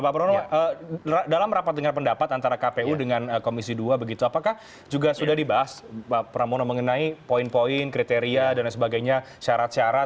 pak pramono dalam rapat dengan pendapat antara kpu dengan komisi dua begitu apakah juga sudah dibahas pak pramono mengenai poin poin kriteria dan sebagainya syarat syarat